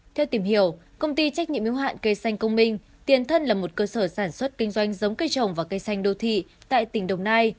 theo tìm hiểu công ty trách nhiệm yếu hạn cây xanh công minh tiền thân là một cơ sở sản xuất kinh doanh giống cây trồng và cây xanh đô thị tại tỉnh đồng nai